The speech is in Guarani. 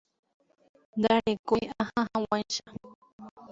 Ndarekói aha hag̃uáicha.